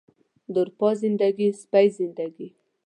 د اروپا زندګي، سپۍ زندګي